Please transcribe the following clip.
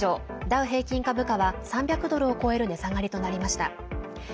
ダウ平均株価は３００ドルを超える値下がりとなりました。